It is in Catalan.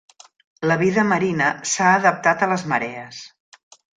La vida marina s'ha adaptat a les marees.